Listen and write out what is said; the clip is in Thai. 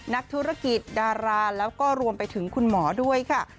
นักธุรกิจดาราแล้วก็รวมไปถึงคุณหมอด้วยค่ะ